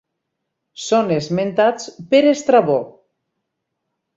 Són esmentats per Estrabó.